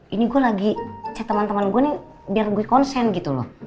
ini gue lagi chat sama temen gue nih biar gue konsen gitu loh